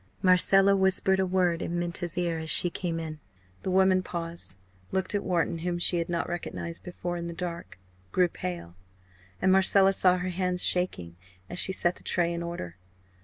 Marcella whispered a word in Minta's ear as she came in. The woman paused, looked at Wharton, whom she had not recognised before in the dark grew pale and Marcella saw her hands shaking as she set the tray in order.